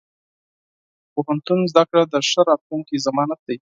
د پوهنتون زده کړه د ښه راتلونکي ضمانت دی.